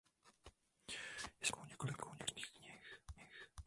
Je spoluautorkou několika odborných knih.